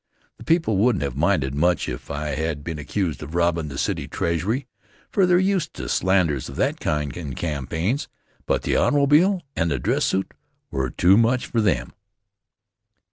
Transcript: The people wouldn't have minded much if I had been accused of robbin' the city treasury, for they're used to slanders of that kind in campaigns, but the automobile and the dress suit were too much for them.